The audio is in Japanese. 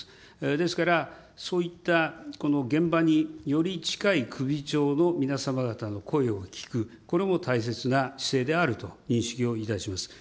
ですから、そういったこの現場により近い首長の皆様方の声を聞く、これも大切な姿勢であると認識をいたします。